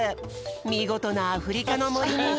みごとなアフリカのもりに！